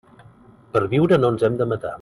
Per viure no ens hem de matar.